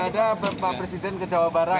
ada bapak presiden ke jawa barat